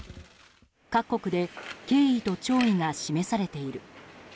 各国で敬意と弔意が示されている。